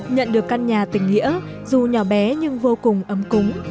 nhận được căn nhà tình nghĩa dù nhỏ bé nhưng vô cùng ấm cúng